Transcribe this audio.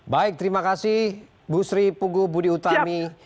baik terima kasih bu sri pugu budi utami